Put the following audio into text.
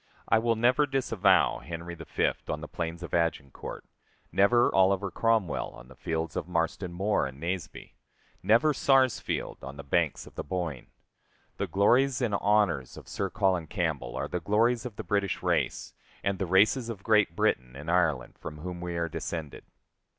I will never disavow Henry V on the plains of Agincourt; never Oliver Cromwell on the fields of Marston Moor and Naseby; never Sarsfield on the banks of the Boyne. The glories and honors of Sir Colin Campbell are the glories of the British race, and the races of Great Britain and Ireland, from whom we are descended.